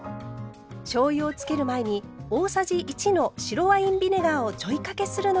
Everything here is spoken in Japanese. しょうゆを付ける前に大さじ１の白ワインビネガーをちょいかけするのがおすすめ。